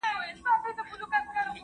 زکات ورکول ستا مال زیاتوي.